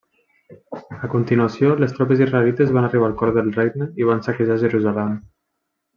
A continuació, les tropes israelites van arribar al cor del regne i van saquejar Jerusalem.